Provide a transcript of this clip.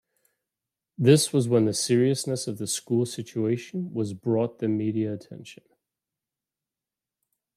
This was when the seriousness of the schools situation was brought the media attention.